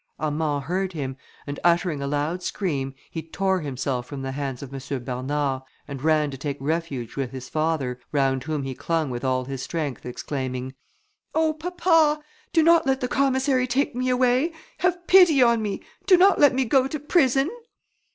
Armand heard him, and uttering a loud scream, he tore himself from the hands of M. Bernard, and ran to take refuge with his father, round whom he clung with all his strength, exclaiming, "Oh, papa, do not let the commissary take me away; have pity on me!... Do not let me go to prison!"